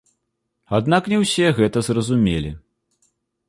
Аднак не ўсе гэта зразумелі.